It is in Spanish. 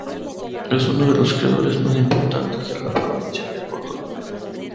Es uno de los creadores más importantes de la provincia de Córdoba.